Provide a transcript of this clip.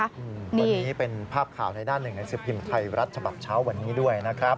วันนี้เป็นภาพข่าวในด้านหนึ่งในสิบพิมพ์ไทยรัฐฉบับเช้าวันนี้ด้วยนะครับ